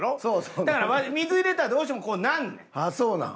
だから水入れたらどうしてもこうなんねん。ああそうなん？